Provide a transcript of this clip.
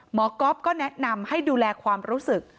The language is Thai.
ก๊อฟก็แนะนำให้ดูแลความรู้สึก